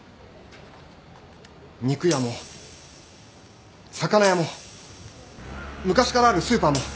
肉屋も魚屋も昔からあるスーパーも。